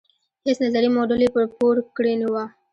هیڅ نظري موډل یې پور کړې نه وه.